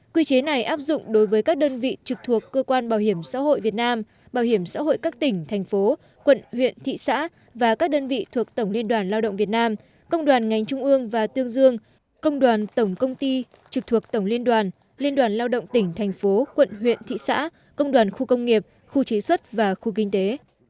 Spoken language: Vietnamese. quy chế này áp dụng đối với các đơn vị trực thuộc cơ quan bảo hiểm xã hội việt nam bảo hiểm xã hội các tỉnh thành phố quận huyện thị xã và các đơn vị thuộc tổng liên đoàn lao động việt nam công đoàn ngành trung ương và tương dương công đoàn tổng công ty trực thuộc tổng liên đoàn liên đoàn lao động tỉnh thành phố quận huyện thị xã công đoàn khu công nghiệp khu chế xuất và khu kinh tế